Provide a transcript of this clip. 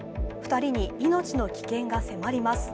２人に命の危険が迫ります。